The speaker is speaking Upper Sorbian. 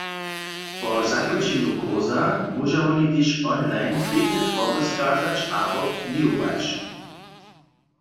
Po zakónčenju kursa móža woni tež online trěbne twory skazać abo knihować.